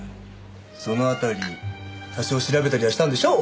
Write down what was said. その辺り多少調べたりはしたんでしょう？